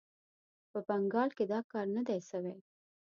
په بنګال کې دا کار نه دی سوی.